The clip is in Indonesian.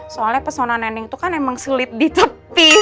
soalnya pesona neneng tuh kan emang selit di tepi